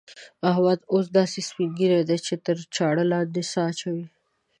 احمد اوس داسې سپين ږيری دی چې تر چاړه لاندې سا اچوي.